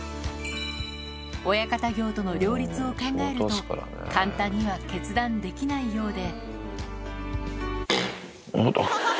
親方業との両立を考えると、簡単には決断できないようで。